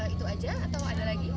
itu aja atau ada lagi